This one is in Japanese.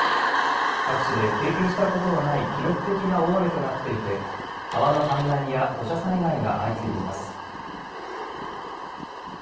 各地で経験したことのない記録的な大雨となっていて川の氾濫や土砂災害が相次いでいます。